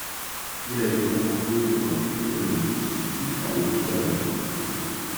Il a été remporté pour la quatrième année consécutive par le Canada.